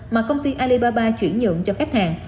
mà công ty alibaba chuyển nhượng cho khách hàng